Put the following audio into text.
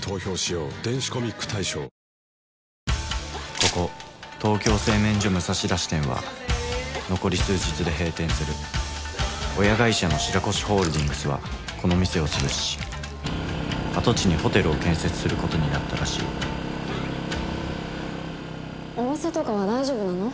ここトーキョー製麺所武蔵田支店は残り数日で閉店する親会社の白越ホールディングスはこの店を潰し跡地にホテルを建設することになったらしいお店とかは大丈夫なの？